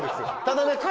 ただね